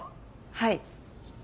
はい。